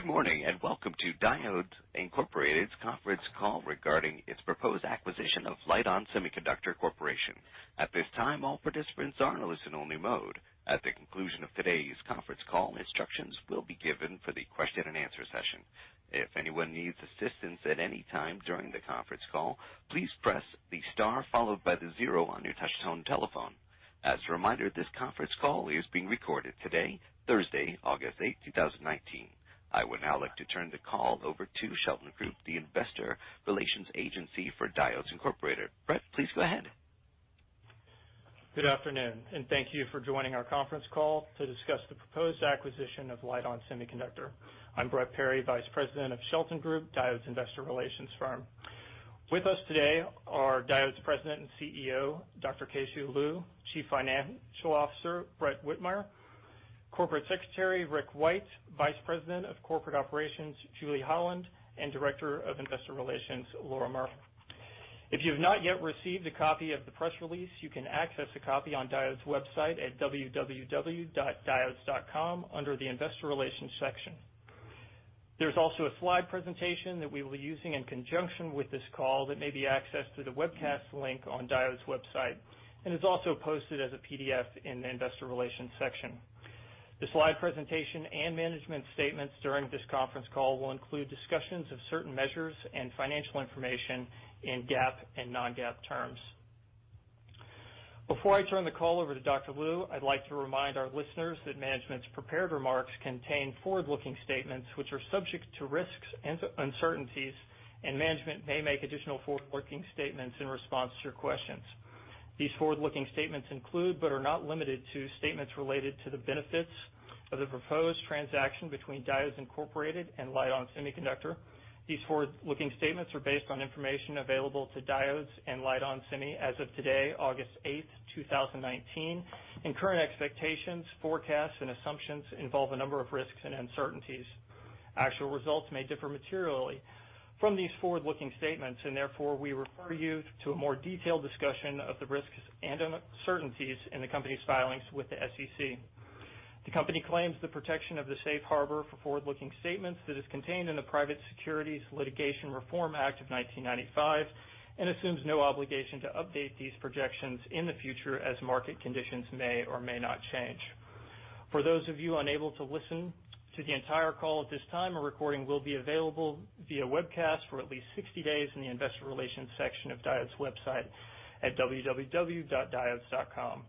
Good morning, welcome to Diodes Incorporated's conference call regarding its proposed acquisition of Lite-On Semiconductor Corp.. At this time, all participants are in listen-only mode. At the conclusion of today's conference call, instructions will be given for the question and answer session. If anyone needs assistance at any time during the conference call, please press the star followed by the zero on your touch-tone telephone. As a reminder, this conference call is being recorded today, Thursday, August 8, 2019. I would now like to turn the call over to Shelton Group, the investor relations agency for Diodes Incorporated. Brett, please go ahead. Good afternoon, thank you for joining our conference call to discuss the proposed acquisition of Lite-On Semiconductor. I'm Brett Perry, Vice President of Shelton Group, Diodes investor relations firm. With us today are Diodes President and CEO, Dr. Keh-Shew Lu, Chief Financial Officer, Brett Whitmire, Corporate Secretary, Rick White, Vice President of Corporate Operations, Julie Holland, and Director of Investor Relations, Laura Murphy. If you've not yet received a copy of the press release, you can access a copy on Diodes website at www.diodes.com under the investor relations section. There's also a slide presentation that we will be using in conjunction with this call that may be accessed through the webcast link on Diodes website and is also posted as a PDF in the investor relations section. The slide presentation and management statements during this conference call will include discussions of certain measures and financial information in GAAP and non-GAAP terms. Before I turn the call over to Dr. Lu, I'd like to remind our listeners that management's prepared remarks contain forward-looking statements, which are subject to risks and uncertainties, and management may make additional forward-looking statements in response to your questions. These forward-looking statements include, but are not limited to, statements related to the benefits of the proposed transaction between Diodes Incorporated and Lite-On Semiconductor. These forward-looking statements are based on information available to Diodes and Lite-On Semi as of today, August 8th, 2019, and current expectations, forecasts, and assumptions involve a number of risks and uncertainties. Actual results may differ materially from these forward-looking statements. Therefore, we refer you to a more detailed discussion of the risks and uncertainties in the company's filings with the SEC. The company claims the protection of the safe harbor for forward-looking statements that is contained in the Private Securities Litigation Reform Act of 1995 and assumes no obligation to update these projections in the future as market conditions may or may not change. For those of you unable to listen to the entire call at this time, a recording will be available via webcast for at least 60 days in the investor relations section of Diodes' website at www.diodes.com.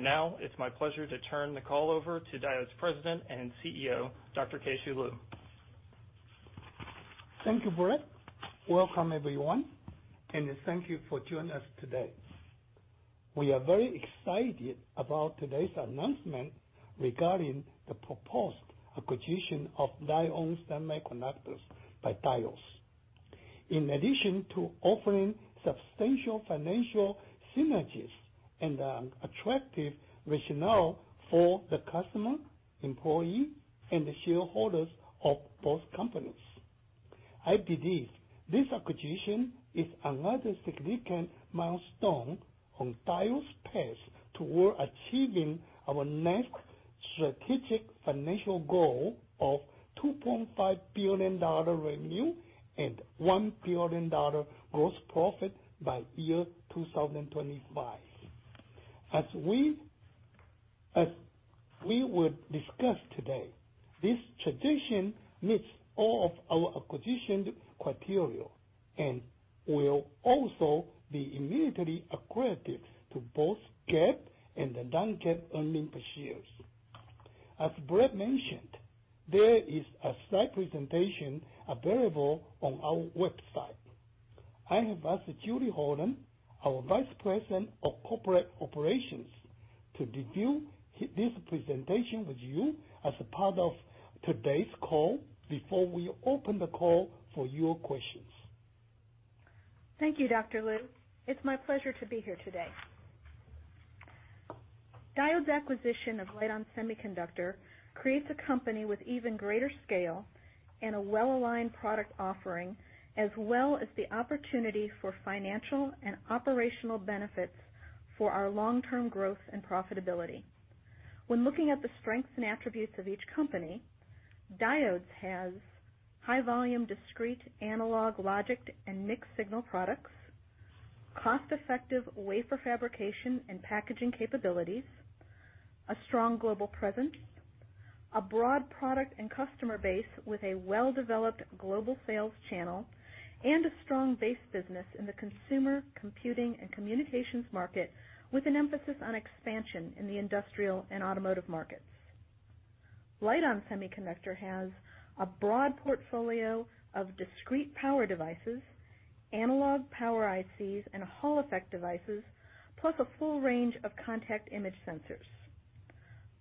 Now, it's my pleasure to turn the call over to Diodes President and CEO, Dr. Keh-Shew Lu. Thank you, Brett. Welcome, everyone, and thank you for joining us today. We are very excited about today's announcement regarding the proposed acquisition of Lite-On Semiconductor by Diodes. In addition to offering substantial financial synergies and an attractive rationale for the customer, employee, and the shareholders of both companies, I believe this acquisition is another significant milestone on Diodes path toward achieving our next strategic financial goal of $2.5 billion revenue and $1 billion gross profit by year 2025. As we would discuss today, this transition meets all of our acquisition criteria and will also be immediately accretive to both GAAP and non-GAAP earnings per share. As Brett mentioned, there is a slide presentation available on our website. I have asked Julie Holland, our Vice President of Corporate Operations, to review this presentation with you as a part of today's call before we open the call for your questions. Thank you, Dr. Lu. It's my pleasure to be here today. Diodes acquisition of Lite-On Semiconductor creates a company with even greater scale and a well-aligned product offering, as well as the opportunity for financial and operational benefits for our long-term growth and profitability. When looking at the strengths and attributes of each company, Diodes has high volume discrete analog logic and mixed signal products, cost-effective wafer fabrication and packaging capabilities, a strong global presence, a broad product and customer base with a well-developed global sales channel, and a strong base business in the consumer, computing, and communications market, with an emphasis on expansion in the industrial and automotive markets. Lite-On Semiconductor has a broad portfolio of discrete power devices, analog power ICs, and Hall effect devices, plus a full range of Contact Image Sensors.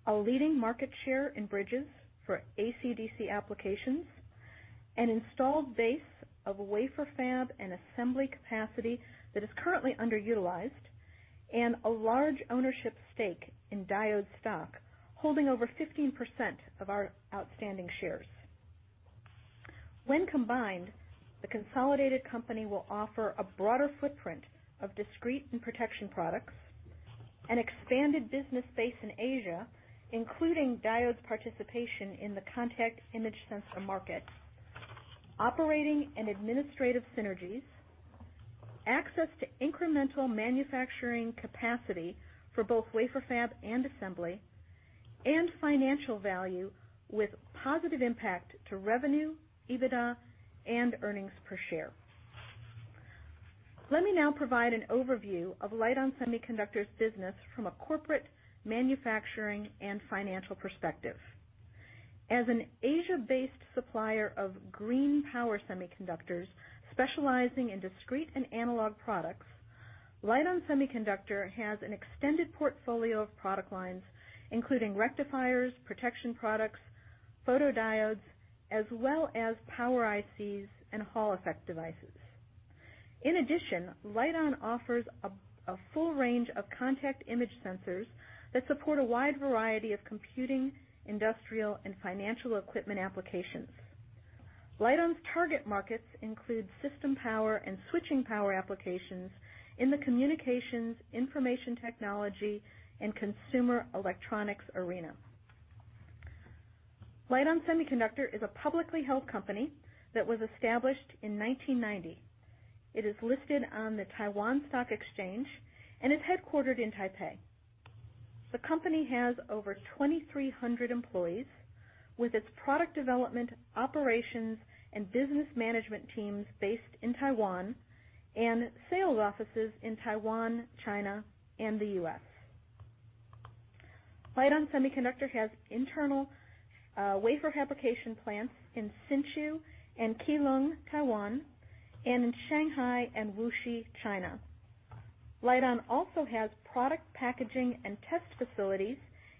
A leading market share in bridges for AC/DC applications, an installed base of wafer fab and assembly capacity that is currently underutilized, and a large ownership stake in Diodes stock, holding over 15% of our outstanding shares. When combined, the consolidated company will offer a broader footprint of discrete and protection products, an expanded business base in Asia, including Diodes' participation in the contact image sensor market, operating and administrative synergies, access to incremental manufacturing capacity for both wafer fab and assembly, and financial value with positive impact to revenue, EBITDA, and earnings per share. Let me now provide an overview of Lite-On Semiconductor's business from a corporate, manufacturing, and financial perspective. As an Asia-based supplier of green power semiconductors, specializing in discrete and analog products, Lite-On Semiconductor has an extended portfolio of product lines, including rectifiers, protection products, photodiodes, as well as power ICs and Hall effect devices. In addition, Lite-On offers a full range of Contact Image Sensors that support a wide variety of computing, industrial, and financial equipment applications. Lite-On's target markets include system power and switching power applications in the communications, information technology, and consumer electronics arena. Lite-On Semiconductor is a publicly held company that was established in 1990. It is listed on the Taiwan Stock Exchange and is headquartered in Taipei. The company has over 2,300 employees, with its product development, operations, and business management teams based in Taiwan, and sales offices in Taiwan, China, and the U.S. Lite-On Semiconductor has internal wafer fabrication plants in Hsinchu and Keelung, Taiwan, and in Shanghai and Wuxi, China. Lite-On also has product packaging and test facilities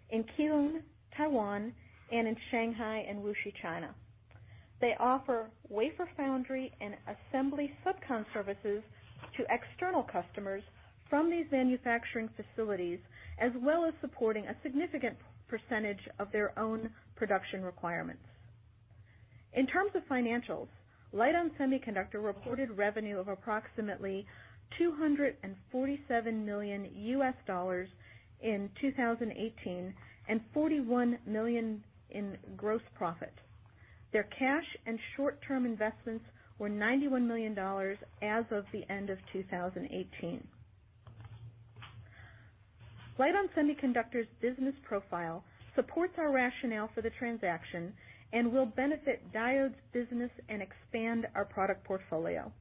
in Keelung, Taiwan, and in Shanghai and Wuxi, China. They offer wafer foundry and assembly subcom services to external customers from these manufacturing facilities, as well as supporting a significant percentage of their own production requirements. In terms of financials, Lite-On Semiconductor reported revenue of approximately $247 million in 2018, and $41 million in gross profit. Their cash and short-term investments were $91 million as of the end of 2018. Lite-On Semiconductor's business profile supports our rationale for the transaction and will benefit Diodes' business and expand our product portfolio.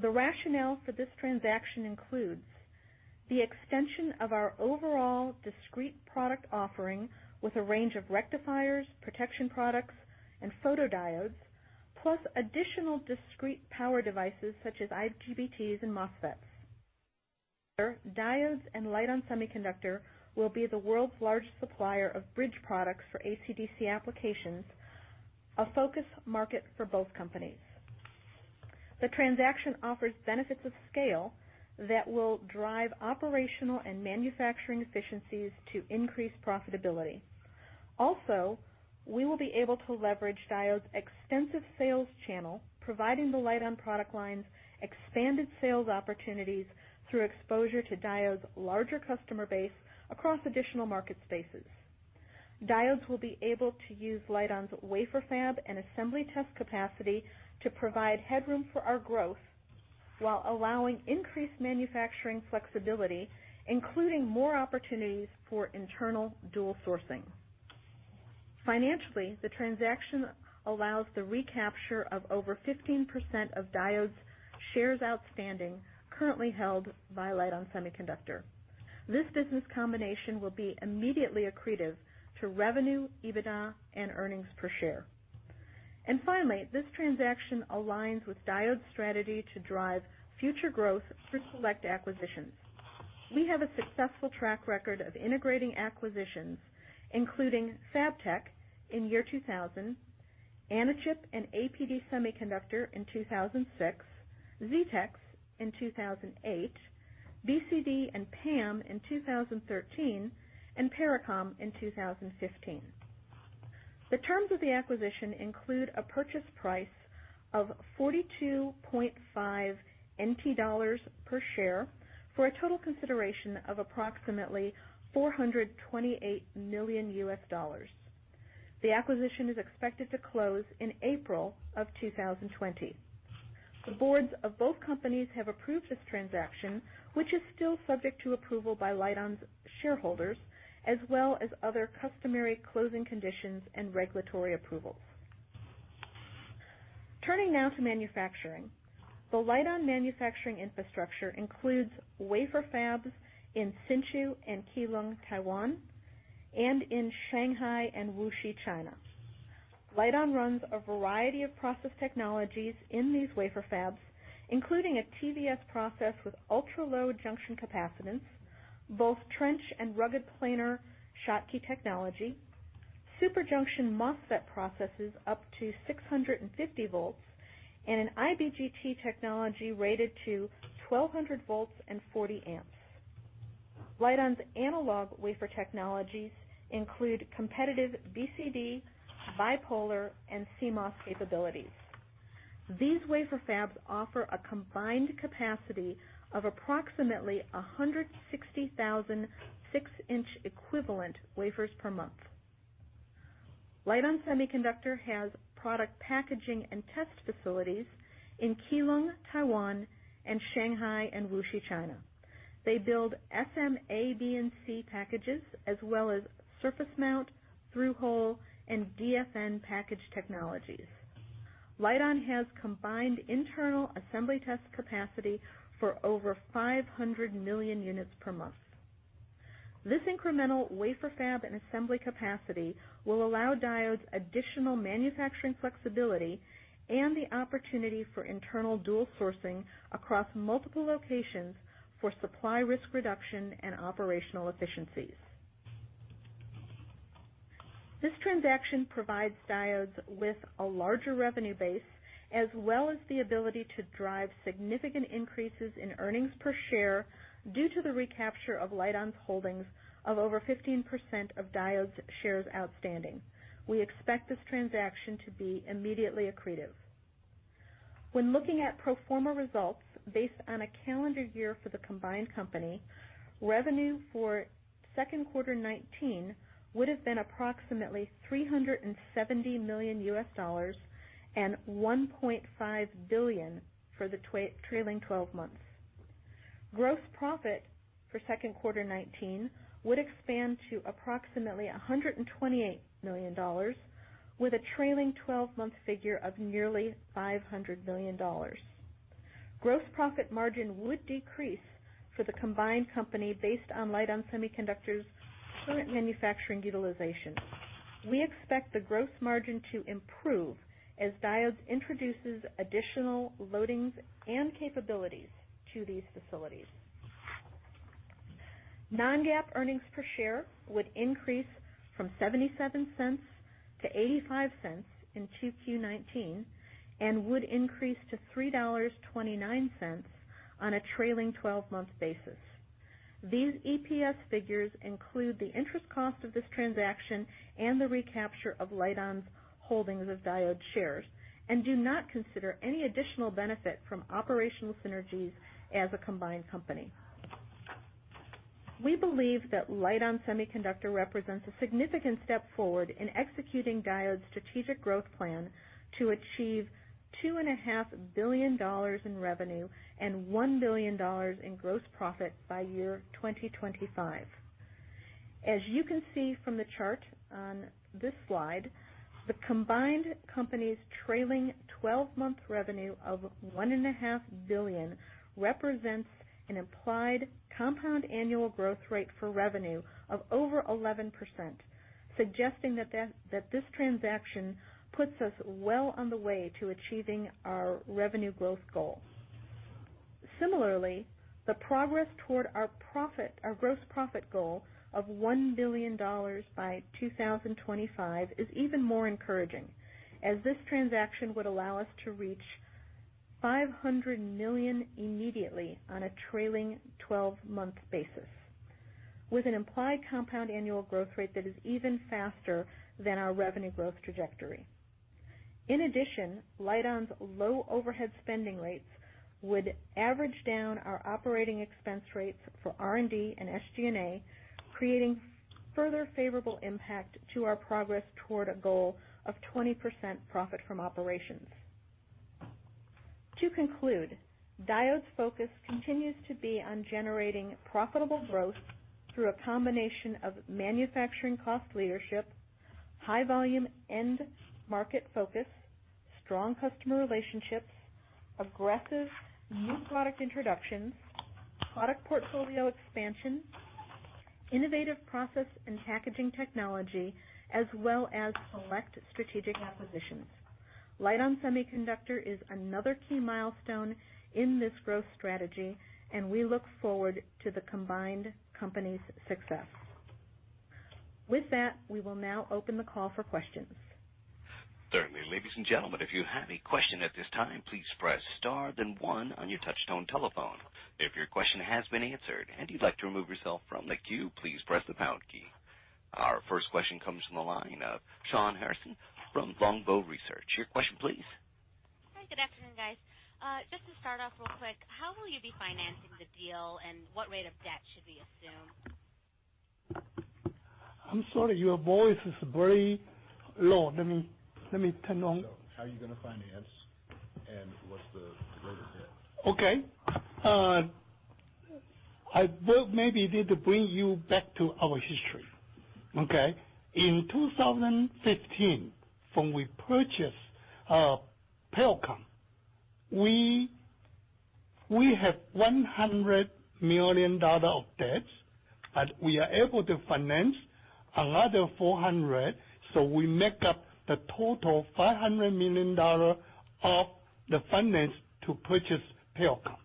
The rationale for this transaction includes the extension of our overall discrete product offering with a range of rectifiers, protection products, and photodiodes, plus additional discrete power devices such as IGBTs and MOSFETs. Diodes and Lite-On Semiconductor will be the world's largest supplier of bridge products for AC/DC applications, a focus market for both companies. The transaction offers benefits of scale that will drive operational and manufacturing efficiencies to increase profitability. We will be able to leverage Diodes' extensive sales channel, providing the Lite-On product lines expanded sales opportunities through exposure to Diodes' larger customer base across additional market spaces. Diodes will be able to use Lite-On's wafer fab and assembly test capacity to provide headroom for our growth while allowing increased manufacturing flexibility, including more opportunities for internal dual sourcing. Financially, the transaction allows the recapture of over 15% of Diodes' shares outstanding, currently held by Lite-On Semiconductor. This business combination will be immediately accretive to revenue, EBITDA, and earnings per share. Finally, this transaction aligns with Diodes' strategy to drive future growth through select acquisitions. We have a successful track record of integrating acquisitions, including FabTech in 2000, Anachip and APD Semiconductor in 2006, Zetex in 2008, BCD and PAM in 2013, and Pericom in 2015. The terms of the acquisition include a purchase price of 42.5 NT dollars per share for a total consideration of approximately $428 million. The acquisition is expected to close in April of 2020. The boards of both companies have approved this transaction, which is still subject to approval by Lite-On's shareholders, as well as other customary closing conditions and regulatory approvals. Turning now to manufacturing. The Lite-On manufacturing infrastructure includes wafer fabs in Hsinchu and Keelung, Taiwan, and in Shanghai and Wuxi, China. Lite-On runs a variety of process technologies in these wafer fabs, including a TVS process with ultra-low junction capacitance, both trench and rugged planar Schottky technology, super junction MOSFET processes up to 650 volts, and an IGBT technology rated to 1,200 volts and 40 amps. Lite-On's analog wafer technologies include competitive BCD, bipolar, and CMOS capabilities. These wafer fabs offer a combined capacity of approximately 160,000 six-inch equivalent wafers per month. Lite-On Semiconductor has product packaging and test facilities in Keelung, Taiwan, and Shanghai and Wuxi, China. They build SMA, SMB, and SMC packages, as well as surface mount, through-hole, and DFN package technologies. Lite-On has combined internal assembly test capacity for over 500 million units per month. This incremental wafer fab and assembly capacity will allow Diodes additional manufacturing flexibility and the opportunity for internal dual sourcing across multiple locations for supply risk reduction and operational efficiencies. This transaction provides Diodes with a larger revenue base, as well as the ability to drive significant increases in earnings per share due to the recapture of Lite-On's holdings of over 15% of Diodes shares outstanding. We expect this transaction to be immediately accretive. When looking at pro forma results based on a calendar year for the combined company, revenue for second quarter 2019 would've been approximately $370 million and $1.5 billion for the trailing 12 months. Gross profit for second quarter 2019 would expand to approximately $128 million, with a trailing 12-month figure of nearly $500 million. Gross profit margin would decrease for the combined company based on Lite-On Semiconductor's current manufacturing utilization. We expect the gross margin to improve as Diodes introduces additional loadings and capabilities to these facilities. Non-GAAP earnings per share would increase from $0.77 to $0.85 in 2Q19, and would increase to $3.29 on a trailing 12-month basis. These EPS figures include the interest cost of this transaction and the recapture of Lite-On's holdings of Diodes shares and do not consider any additional benefit from operational synergies as a combined company. We believe that Lite-On Semiconductor represents a significant step forward in executing Diodes' strategic growth plan to achieve $2.5 billion in revenue and $1 billion in gross profit by year 2025. As you can see from the chart on this slide, the combined company's trailing 12-month revenue of $1.5 billion represents an implied compound annual growth rate for revenue of over 11%, suggesting that this transaction puts us well on the way to achieving our revenue growth goal. Similarly, the progress toward our gross profit goal of $1 billion by 2025 is even more encouraging, as this transaction would allow us to reach $500 million immediately on a trailing 12-month basis, with an implied compound annual growth rate that is even faster than our revenue growth trajectory. Lite-On's low overhead spending rates would average down our operating expense rates for R&D and SG&A, creating further favorable impact to our progress toward a goal of 20% profit from operations. To conclude, Diodes' focus continues to be on generating profitable growth through a combination of manufacturing cost leadership, high volume end market focus, strong customer relationships, aggressive new product introductions, product portfolio expansion, innovative process and packaging technology, as well as select strategic acquisitions. Lite-On Semiconductor is another key milestone in this growth strategy, we look forward to the combined company's success. With that, we will now open the call for questions. Certainly. Ladies and gentlemen, if you have a question at this time, please press star then one on your touch-tone telephone. If your question has been answered and you'd like to remove yourself from the queue, please press the pound key. Our first question comes from the line of Shawn Harrison from Longbow Research. Your question, please. Hi. Good afternoon, guys. Just to start off real quick, how will you be financing the deal, and what rate of debt should we assume? I'm sorry, your voice is very low. Let me turn on. How are you going to finance, and what's the rate of debt? Okay. I will maybe need to bring you back to our history. Okay? In 2015, when we purchased Pericom, we have $100 million of debts, but we are able to finance another 400, so we make up the total $500 million of the finance to purchase Pericom.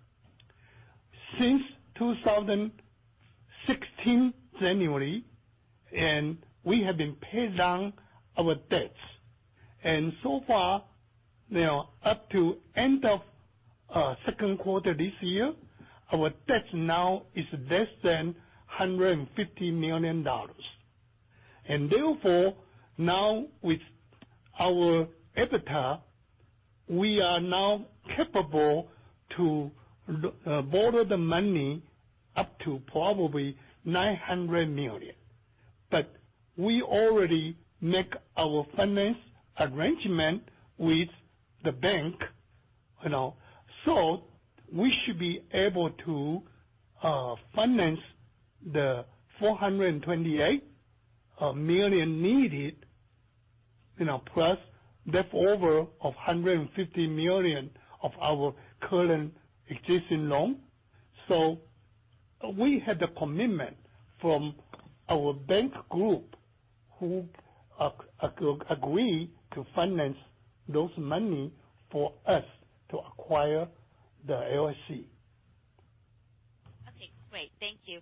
Since 2016, January, we have been paying down our debts. So far, up to end of Second quarter this year, our debt now is less than $150 million. Therefore, now with our EBITDA, we are now capable to borrow the money up to probably $900 million. We already make our finance arrangement with the bank. We should be able to finance the $428 million needed, plus leftover of $150 million of our current existing loan. We had the commitment from our bank group who agree to finance those money for us to acquire the LSC. Okay, great. Thank you.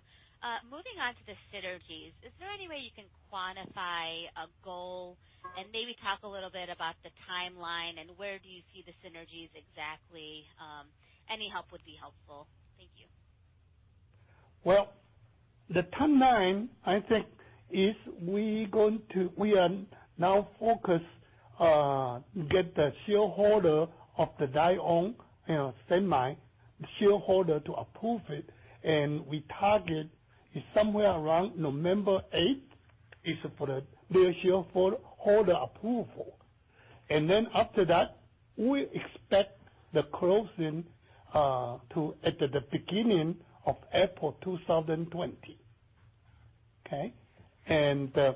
Moving on to the synergies, is there any way you can quantify a goal and maybe talk a little bit about the timeline and where do you see the synergies exactly? Any help would be helpful. Thank you. Well, the timeline, I think, is we are now focused get the shareholder of the Diodes, semi-shareholder to approve it, and we target is somewhere around November 8th, is for their shareholder approval. After that, we expect the closing at the beginning of April 2020. Okay?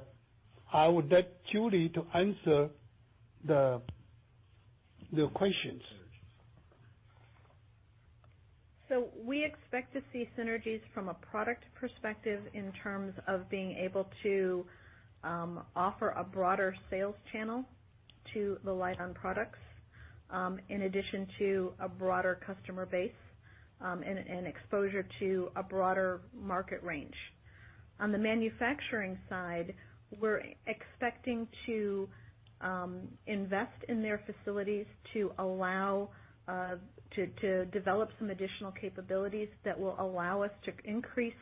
I would like Julie to answer the questions. We expect to see synergies from a product perspective in terms of being able to offer a broader sales channel to the Lite-On products, in addition to a broader customer base, and exposure to a broader market range. On the manufacturing side, we're expecting to invest in their facilities to develop some additional capabilities that will allow us to increase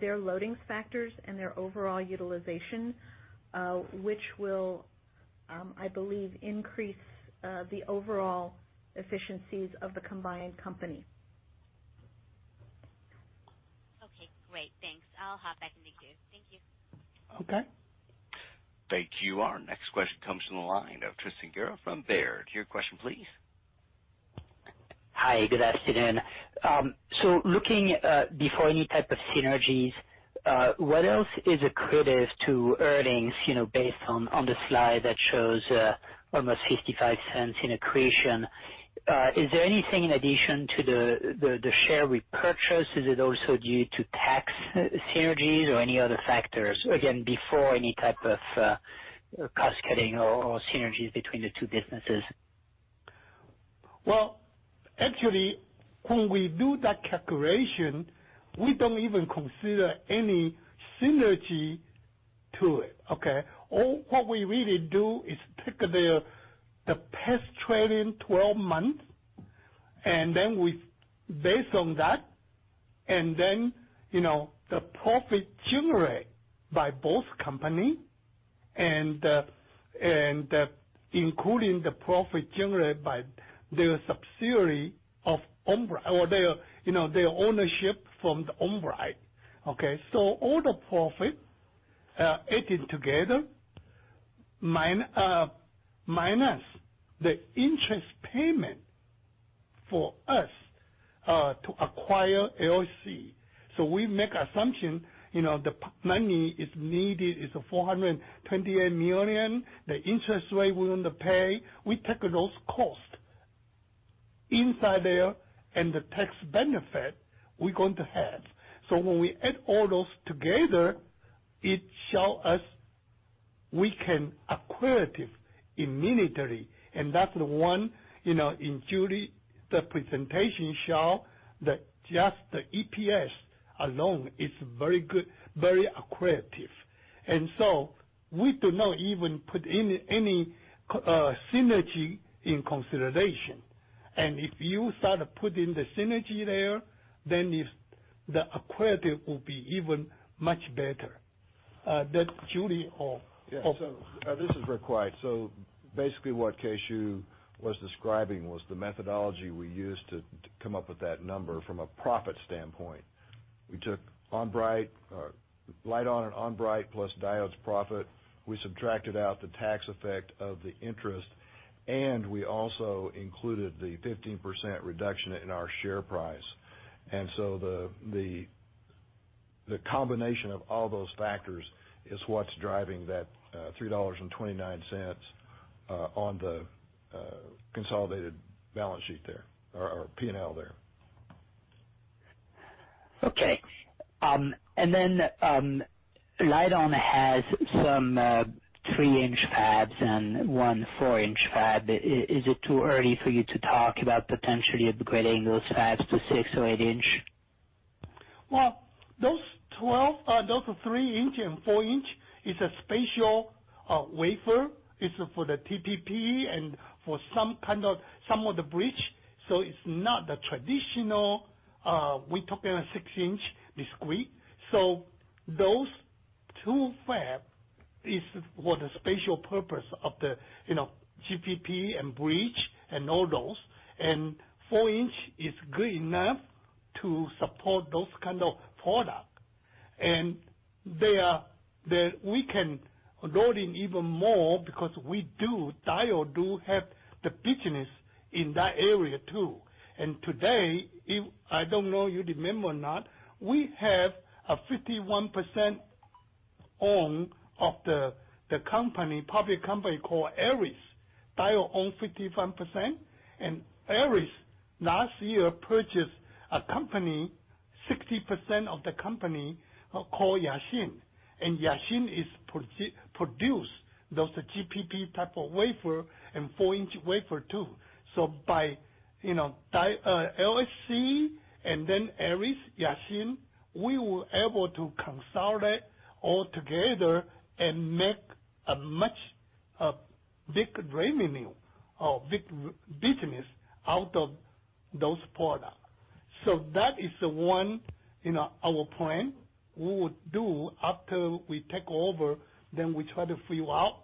their loading factors and their overall utilization, which will, I believe, increase the overall efficiencies of the combined company. Okay, great. Thanks. I'll hop back in the queue. Thank you. Okay. Thank you. Our next question comes from the line of Tristan Gerra from Baird. Your question, please. Hi, good afternoon. Looking before any type of synergies, what else is accretive to earnings, based on the slide that shows almost $0.55 in accretion? Is there anything in addition to the share repurchase? Is it also due to tax synergies or any other factors? Again, before any type of cost-cutting or synergies between the two businesses. Well, actually, when we do that calculation, we don't even consider any synergy to it, okay? What we really do is take the past trading 12 months, based on that, the profit generated by both company and including the profit generated by their subsidiary of On-Bright, their ownership from the On-Bright. Okay? All the profit added together, minus the interest payment for us to acquire ALC. We make assumption, the money is needed, is $428 million. The interest rate we want to pay, we take those costs inside there and the tax benefit we're going to have. When we add all those together, it shows us we can accretive immediately. That's the one in Julie, the presentation show that just the EPS alone is very good, very accretive. We do not even put any synergy in consideration. If you start putting the synergy there, then the accretive will be even much better. Let Julie. Yeah. This is Rick White. Basically what Keh-Shew was describing was the methodology we used to come up with that number from a profit standpoint. We took Lite-On and On-Bright plus Diodes' profit. We subtracted out the tax effect of the interest, and we also included the 15% reduction in our share price. The combination of all those factors is what's driving that $3.29 on the consolidated balance sheet there or P&L there. Okay. Lite-On has some three-inch fabs and one four-inch fab. Is it too early for you to talk about potentially upgrading those fabs to six or eight inch? Those 3 inch and 4 inch is a special wafer. It's for the TTP and for some of the bridge. It's not the traditional, we're talking a 6-inch discrete. Those two fab is for the special purpose of the GPP and bridge and all those, and 4 inch is good enough to support those kind of product. We can load in even more because Diodes do have the business in that area too. Today, I don't know you remember or not, we have a 51% own of the public company called Eris. Diodes own 51%, Eris last year purchased a company, 60% of the company, called Yea-Shin. Yea-Shin produce those GPP type of wafer and 4-inch wafer too. By LSC and Eris, Yea-Shin, we were able to consolidate all together and make a much big revenue or big business out of those products. That is one our plan. We would do after we take over, then we try to figure out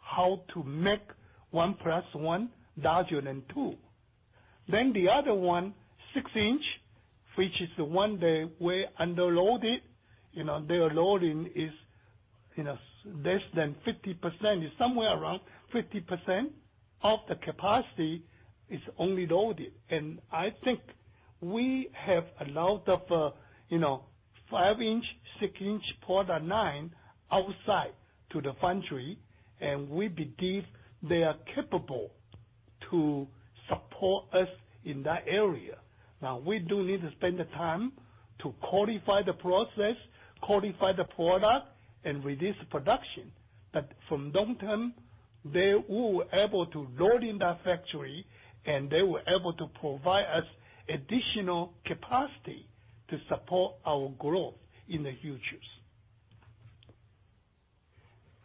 how to make one plus one larger than two. The other one, 6-inch, which is the one they were under loaded. Their loading is less than 50%, is somewhere around 50% of the capacity is only loaded. I think we have a lot of 5-inch, 6-inch product line outside to the foundry, and we believe they are capable to support us in that area. Now, we do need to spend the time to qualify the process, qualify the product, and release the production. From long term, we were able to load in that factory, and they were able to provide us additional capacity to support our growth in the futures.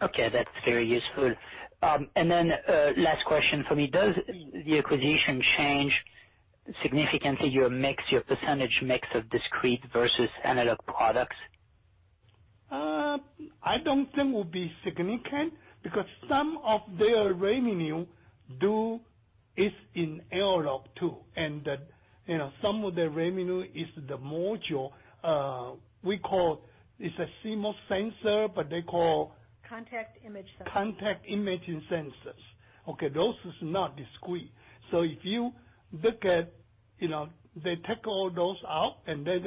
Okay, that's very useful. Last question for me. Does the acquisition change significantly your percentage mix of discrete versus analog products? I don't think will be significant because some of their revenue is in analog too, and some of their revenue is the module, we call, it's a CMOS sensor, but they call. Contact Image Sensor. Contact Image Sensors. Those is not discrete. If you look at, they take all those out, and then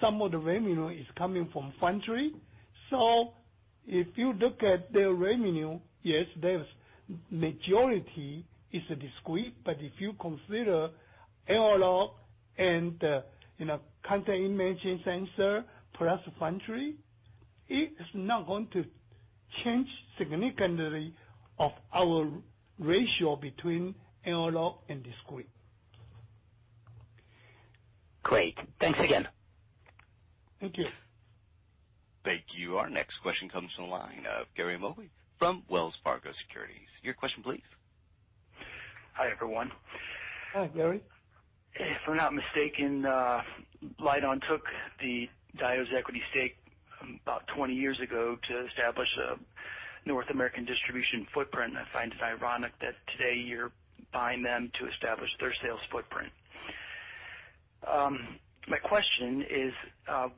some of the revenue is coming from foundry. If you look at their revenue, yes, majority is discrete, but if you consider analog and the Contact Image Sensor plus foundry, it is not going to change significantly of our ratio between analog and discrete. Great. Thanks again. Thank you. Thank you. Our next question comes from the line of Gary Mobley from Wells Fargo Securities. Your question please. Hi, everyone. Hi, Gary. If I'm not mistaken, Lite-On took the Diodes' equity stake about 20 years ago to establish a North American distribution footprint. I find it ironic that today you're buying them to establish their sales footprint. My question is,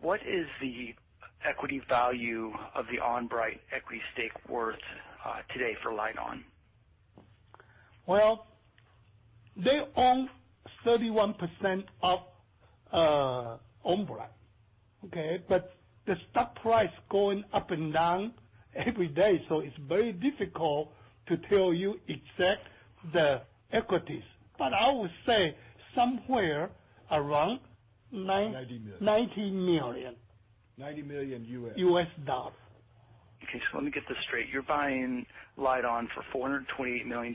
what is the equity value of the On-Bright equity stake worth today for Lite-On? Well, they own 31% of Onbright. The stock price going up and down every day, so it's very difficult to tell you exact the equities. I would say somewhere around $90 million. $90 million. $90 million U.S. U.S. dollars. Let me get this straight. You're buying Lite-On for $428 million.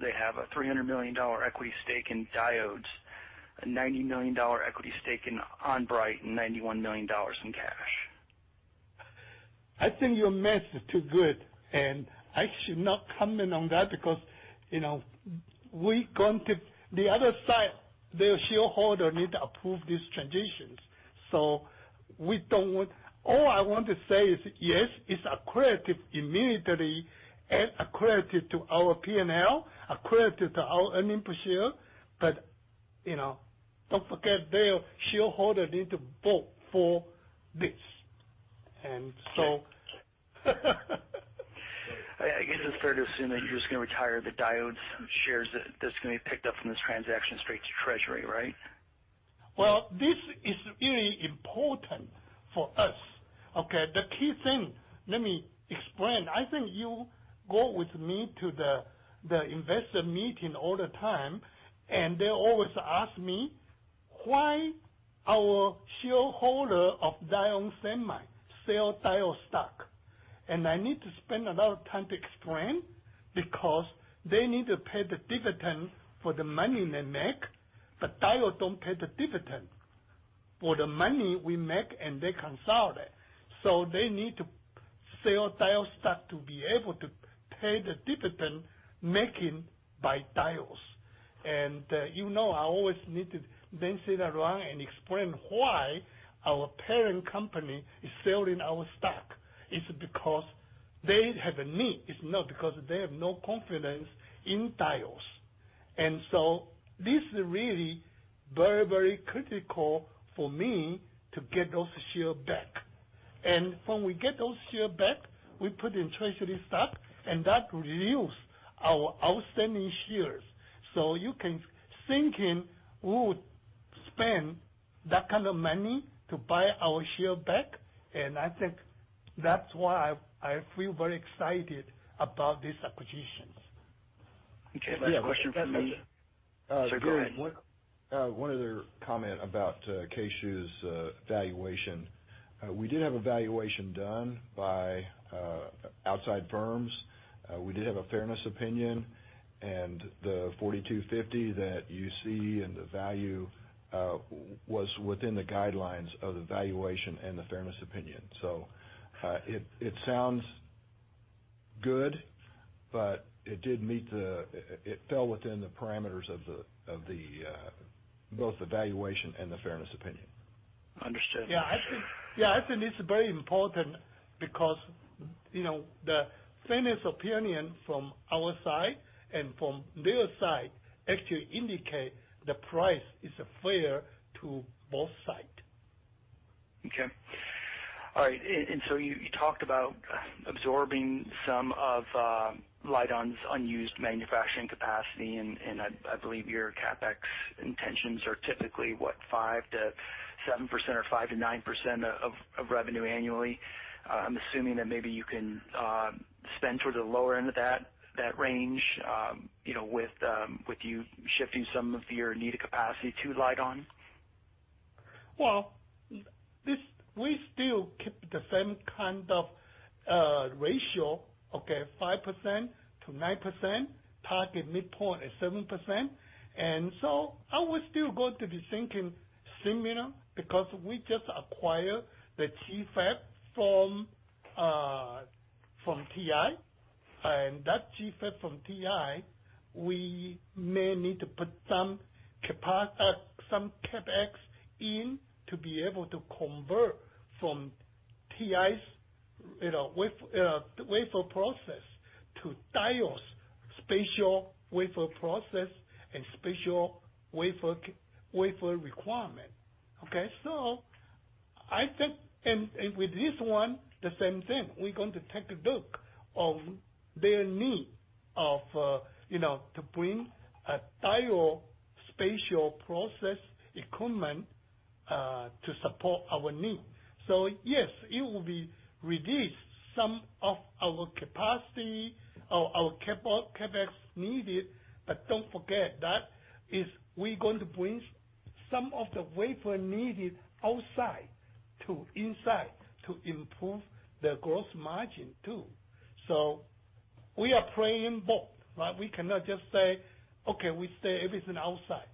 They have a $300 million equity stake in Diodes, a $90 million equity stake in On-Bright, and $91 million in cash. I think your math is too good. I should not comment on that because, the other side, their shareholders need to approve these transactions. All I want to say is, yes, it's accretive immediately and accretive to our P&L, accretive to our earnings per share. Don't forget, their shareholders need to vote for this. I guess it's fair to assume that you're just going to retire the Diodes shares that's going to be picked up from this transaction straight to treasury, right? Well, this is really important for us, okay? The key thing, let me explain. I think you go with me to the investor meeting all the time, and they always ask me, "Why our shareholder of Diodes Inc. sell Diodes stock?" I need to spend a lot of time to explain, because they need to pay the dividend for the money they make, but Diodes don't pay the dividend for the money we make, and they consolidate it. They need to sell Diodes stock to be able to pay the dividend making by Diodes. You know I always need to then sit around and explain why our parent company is selling our stock. It's because they have a need. It's not because they have no confidence in Diodes. This is really very, very critical for me to get those share back. When we get those share back, we put in treasury stock, and that reduce our outstanding shares. You can thinking we would spend that kind of money to buy our share back, and I think that's why I feel very excited about these acquisitions. Okay. Last question from me. Yeah. Go ahead. One other comment about Keh-Shew's valuation. We did have a valuation done by outside firms. We did have a fairness opinion, and the NT$42.5 that you see and the value was within the guidelines of the valuation and the fairness opinion. It sounds good, but it fell within the parameters of both the valuation and the fairness opinion. Understood. Yeah, I think it's very important because the fairness opinion from our side and from their side actually indicate the price is fair to both side. Okay. All right. You talked about absorbing some of Lite-On's unused manufacturing capacity, and I believe your CapEx intentions are typically, what, 5%-7% or 5%-9% of revenue annually. I'm assuming that maybe you can spend toward the lower end of that range, with you shifting some of your needed capacity to Lite-On. Well, we still keep the same kind of ratio. 5% to 9%, target midpoint is 7%. I will still going to be thinking similar because we just acquired the GFAB from TI. That GFAB from TI, we may need to put some CapEx in to be able to convert from TI's wafer process to Diodes special wafer process and special wafer requirement. With this one, the same thing. We're going to take a look of their need to bring a Diodes special process equipment to support our need. Yes, it will be reduced some of our capacity or our CapEx needed. Don't forget that is we going to bring some of the wafer needed outside to inside to improve the gross margin too. We are playing both, right? We cannot just say, "Okay, we stay everything outside."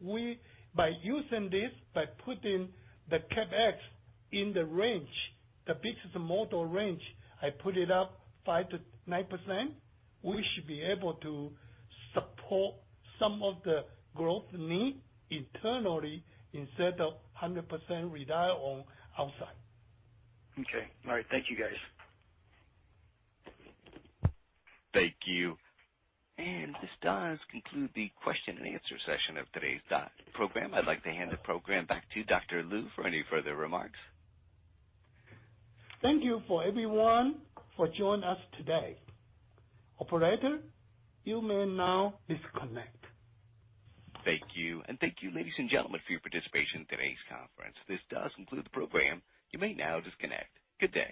We, by using this, by putting the CapEx in the range, the business model range, I put it up 5% to 9%, we should be able to support some of the growth need internally instead of 100% rely on outside. Okay. All right. Thank you, guys. Thank you. This does conclude the question and answer session of today's program. I'd like to hand the program back to Dr. Lu for any further remarks. Thank you for everyone for join us today. Operator, you may now disconnect. Thank you. Thank you, ladies and gentlemen, for your participation in today's conference. This does conclude the program. You may now disconnect. Good day.